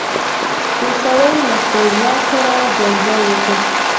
یو سړي له خپل زوی سره جنجال وکړ.